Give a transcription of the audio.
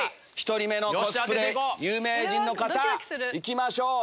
１人目のコスプレ有名人の方行きましょう！